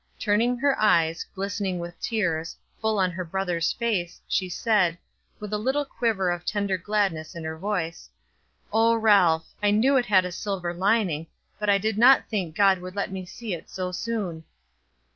Turning her eyes, glistening with tears, full on her brother's face, she said, with a little quiver of tender gladness in her voice: "Oh, Ralph, I knew it had a silver lining, but I did not think God would let me see it so soon."